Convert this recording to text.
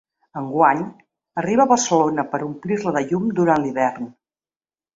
Enguany, arriba a Barcelona per omplir-la de llum durant l’hivern.